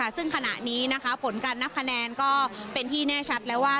ซึ่งขณะนี้ผลการนับคะแนนก็เป็นที่แน่ชัดแล้วว่า